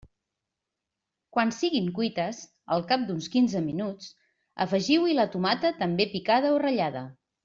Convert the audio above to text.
Quan siguin cuites, al cap d'uns quinze minuts, afegiu-hi la tomata també picada o ratllada.